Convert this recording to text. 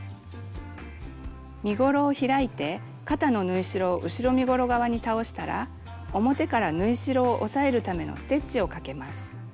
身ごろを開いて肩の縫い代を後ろ身ごろ側に倒したら表から縫い代を押さえるためのステッチをかけます。